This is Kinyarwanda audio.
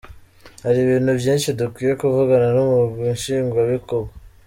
"Hari ibintu vyinshi dukwiye kuvugana n'umugwi nshingwabikogwa.